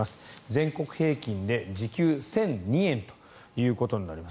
全国平均で時給１００２円ということになります。